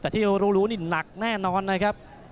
แต่ที่รู้นี่หนักแน่นอนนะครับ